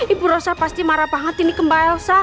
ibu rossa pasti marah banget ini kembali elsa